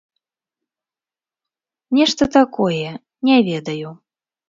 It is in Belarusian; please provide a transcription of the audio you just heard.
Нешта такое, не ведаю.